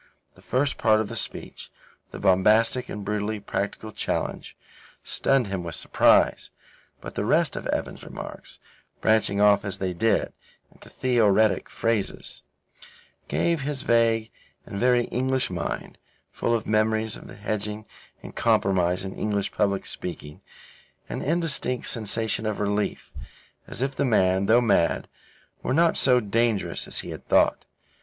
The first part of the speech, the bombastic and brutally practical challenge, stunned him with surprise; but the rest of Evan's remarks, branching off as they did into theoretic phrases, gave his vague and very English mind (full of memories of the hedging and compromise in English public speaking) an indistinct sensation of relief, as if the man, though mad, were not so dangerous as he had thought.